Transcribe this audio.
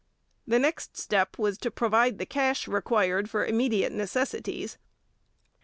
The next step was to provide the cash required for immediate necessities.